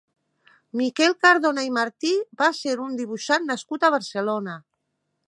Miquel Cardona i Martí va ser un dibuixant nascut a Barcelona.